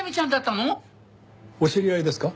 お知り合いですか？